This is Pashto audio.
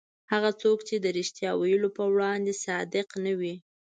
هغه څوک چې د رښتیا ویلو په وړاندې صادق نه وي.